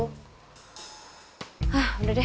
hah udah deh